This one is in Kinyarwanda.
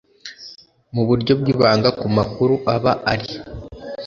mu buryo bw ibanga ku makuru aba ari